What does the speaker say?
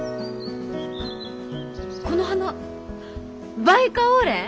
この花バイカオウレン？